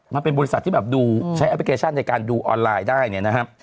มันเป็นบริษัทที่แบบดูใช้แอปพลิเคชันในการดูออนไลน์ได้เนี่ยนะครับ